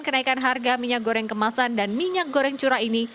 kenaikan harga minyak goreng kemasan dan minyak goreng curah ini